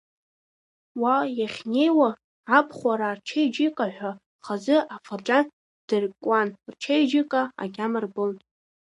Уа иахьнеиуа, абхәараа рчеиџьыка ҳәа хазы афырџьан ддыркуан, рчеиџьыка агьама рбон.